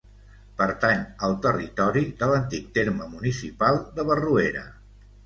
Pertany al territori de l'antic terme municipal de Barruera.